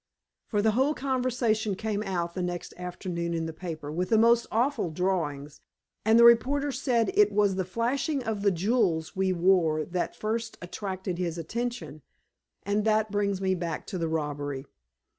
For the whole conversation came out the next afternoon in the paper, with the most awful drawings, and the reporter said it was the flashing of the jewels we wore that first attracted his attention. And that brings me back to the robbery.